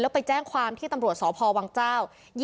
ไปแจ้งความที่ตำรวจสพวังเจ้า